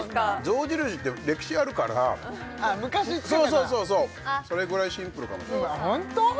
象印って歴史あるからあっ昔付けたそうそうそうそれぐらいシンプルかもしれないホント！？